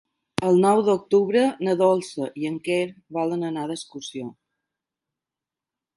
El nou d'octubre na Dolça i en Quer volen anar d'excursió.